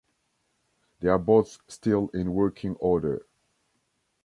They are both still in working order.